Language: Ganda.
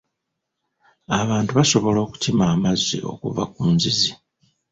Abantu basobola okukima amazzi okuva ku nzizi.